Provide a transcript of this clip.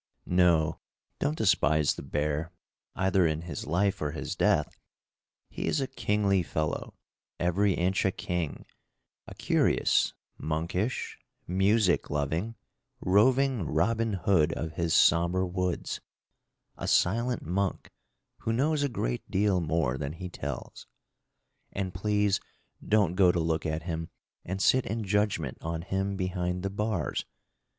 No, don't despise the bear, either in his life or his death. He is a kingly fellow, every inch a king; a curious, monkish, music loving, roving Robin Hood of his somber woods a silent monk, who knows a great deal more than he tells. And please don't go to look at him and sit in judgment on him behind the bars.